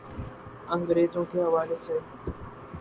انگریزوں کے حوالے سے۔